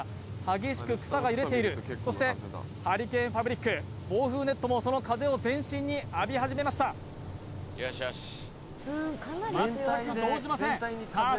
激しく草が揺れているそしてハリケーンファブリック防風ネットもその風を全身に浴び始めました全く動じませんさあ